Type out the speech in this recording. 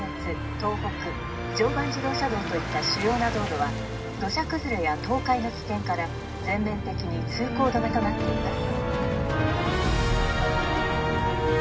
東北常磐自動車道といった主要な道路は土砂崩れや倒壊の危険から全面的に通行止めとなっています